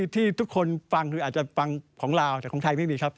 ที่ทุกคนฟังคืออาจจะฟังของลาวแต่ของไทยไม่มีครับ